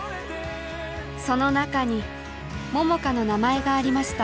その中に桃佳の名前がありました。